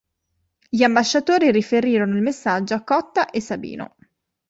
Gli ambasciatori riferirono il messaggio a Cotta e Sabino.